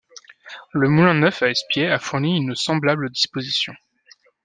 Le Moulin Neuf à Espiet, a fourni une semblable disposition.